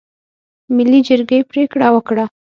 ملي جرګې پرېکړه وکړه.